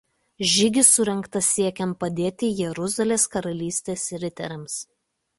Žygis surengtas siekiant padėti Jeruzalės karalystės riteriams.